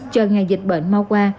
chờ ngày dịch bệnh mau qua